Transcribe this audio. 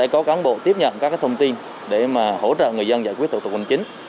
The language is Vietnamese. có cán bộ tiếp nhận các thông tin để hỗ trợ người dân giải quyết thủ tục hành chính